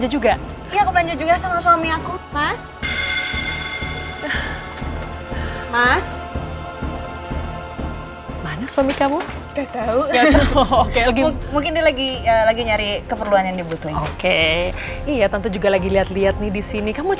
katanya ayamnya juga udah abis kan